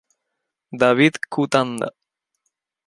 David Cutanda.